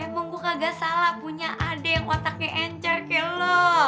emang gue kagak salah punya adek yang otaknya encer kayak lo